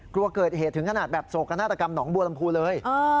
กลัวเกิดเหตุถึงขนาดแบบโศกนาฏกรรมหนองบัวลำพูเลย